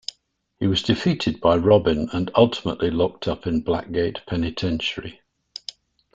He was defeated by Robin and ultimately locked up in Blackgate Penitentiary.